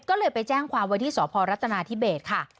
ก็เลยไปแจ้งความไว้ที่สพรัฐนาธิเบสค่ะ